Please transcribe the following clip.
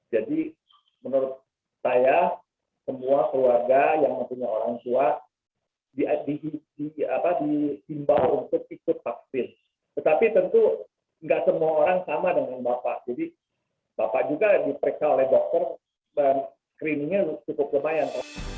jadi bapak juga diperiksa oleh dokter dan kriminya cukup kebayang